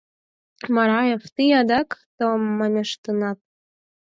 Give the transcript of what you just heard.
— Мараев, тый адак томамештынат...